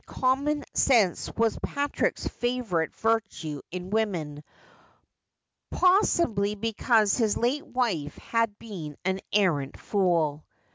361 common sense was Patrick's favourite virtue, in woman, pos:sibly because his late wife had been an arrant, fool.